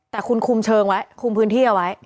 แต่คุณคุมเชิงไว้คุมพื้นที่เอาไว้